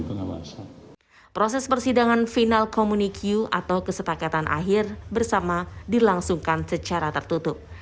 proses persidangan final communique atau kesepakatan akhir bersama dilangsungkan secara tertutup